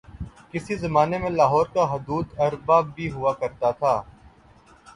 کسی زمانے میں لاہور کا حدوداربعہ بھی ہوا کرتا تھا